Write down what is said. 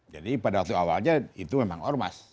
jadi pada waktu awalnya itu memang ormas